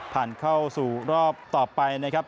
ผ่านเข้าสู่รอบต่อไปนะครับ